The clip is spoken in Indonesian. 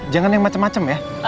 jangan yang macem macem ya